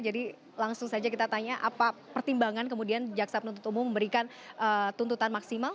jadi langsung saja kita tanya apa pertimbangan kemudian jaksab nutut umum memberikan tuntutan maksimal